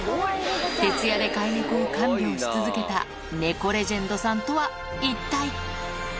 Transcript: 徹夜で飼い猫を看病し続けた猫レジェンドさんとは一体。